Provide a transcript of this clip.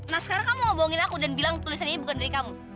nah sekarang kamu mau bohongin aku dan bilang tulisannya bukan dari kamu